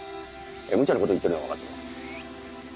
ムチャなこと言ってるのは分かってます。